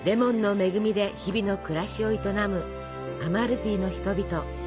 恵みで日々の暮らしを営むアマルフィの人々。